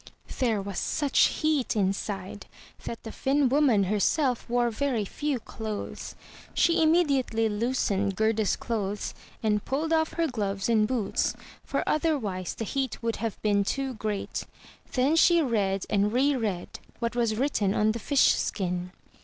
There was such a heat inside that the Finn woman herself 319 MY BOOK HOUSE wore very few clothes. She imme diately loosened Gerda's clothes, and pulled off her gloves and boots, for otherwise the heat fi would have been too great. Then she read and re read what was written on the fish skin.